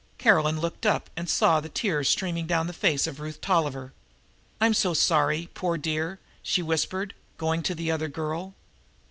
Caroline looked up and saw the tears streaming down the face of Ruth Tolliver. "I'm so sorry, poor dear!" she whispered, going to the other girl.